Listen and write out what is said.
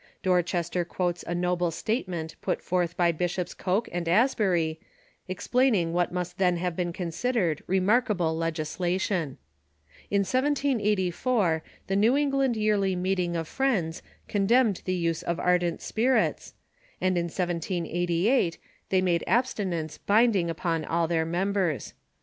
Dorchester quotes a noble statement put forth by Bishops Coke and Asbury, explaining what must then have been considered remarkable legislation. In 1784, the New England Yearly Meeting of Friends condemned the use of ar dent spirits, and in 1788 they made abstinence binding upon all their members.